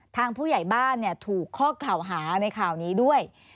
ทางผู้ใหญ่บ้านถูกข้อกล่าวหาในข่าวนี้ด้วย